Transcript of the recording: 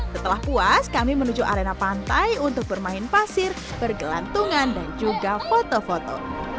setelah puas kami menuju arena pantai untuk bermain pasir bergelantungan dan juga foto foto